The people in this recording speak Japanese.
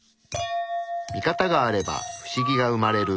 ミカタがあればフシギが生まれる。